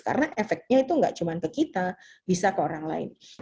karena efeknya itu tidak hanya ke kita bisa ke orang lain